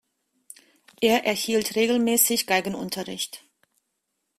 Er erhielt regelmäßigen Geigenunterricht.